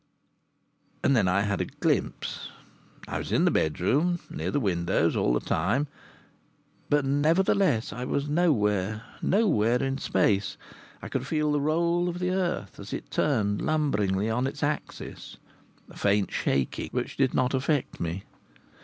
And then I had a glimpse.... I was in the bedroom, near the windows, all the time, but nevertheless I was nowhere, nowhere in space. I could feel the roll of the earth as it turned lumberingly on its axis a faint shaking which did not affect me.